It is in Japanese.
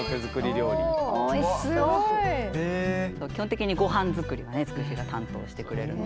基本的にごはん作りはねつくしが担当してくれるので。